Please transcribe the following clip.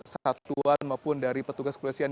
satuan maupun dari petugas kepolisian